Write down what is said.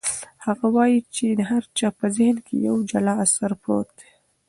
هغه وایي چې د هر چا په ذهن کې یو جلا اثر پروت دی.